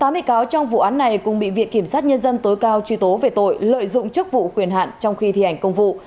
tám bị cáo trong vụ án này cũng bị viện kiểm sát nhân dân tối cao truy tố về tội lợi dụng chức vụ quyền hạn trong khi thi hành công vụ